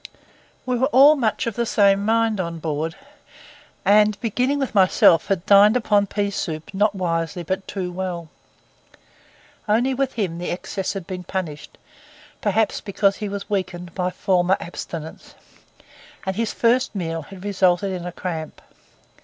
We were all much of the same mind on board, and beginning with myself, had dined upon pea soup not wisely but too well; only with him the excess had been punished, perhaps because he was weakened by former abstinence, and his first meal had resulted in a cramp.